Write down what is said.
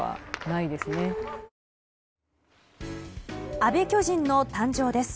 阿部巨人の誕生です。